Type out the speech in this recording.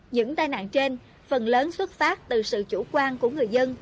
những tai nạn trên phần lớn xuất phát từ sự chủ quan của người dân